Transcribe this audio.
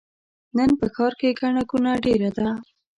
نن په ښار کې ګڼه ګوڼه ډېره ده.